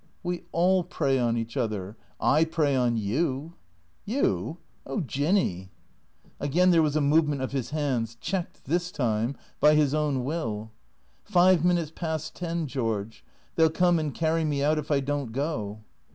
" "We all prey on each other. I prey on you." " You ? Oh — Jinny !" Again there was a movement of his hands, checked, this time, by his own will. " Five minutes past ten, George. They '11 come and carry me out if I don't go."